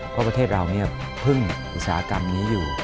เพราะประเทศเราพึ่งอุตสาหกรรมนี้อยู่